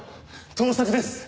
盗作です！